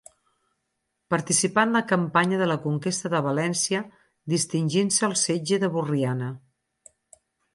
Participà en la campanya de la conquesta de València distingint-se al setge de Borriana.